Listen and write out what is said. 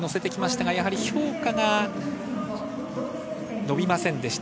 ただ評価が伸びませんでした。